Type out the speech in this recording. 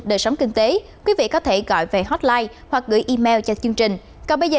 đời sống kinh tế quý vị có thể gọi về hotline hoặc gửi email cho chương trình còn bây giờ